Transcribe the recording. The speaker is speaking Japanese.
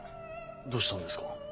どうしたんですか？